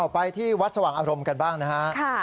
ไปที่วัดสว่างอารมณ์กันบ้างนะฮะ